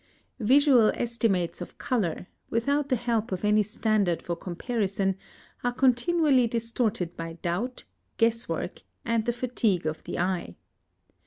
Visual estimates of color, without the help of any standard for comparison, are continually distorted by doubt, guess work, and the fatigue of the eye.